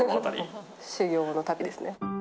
修業の旅ですね。